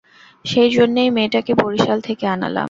সেই জন্যেই মেয়েটাকে বরিশাল থেকে আনালাম।